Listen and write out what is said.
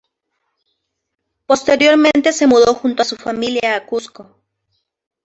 Posteriormente se mudó junto a su familia a Cusco.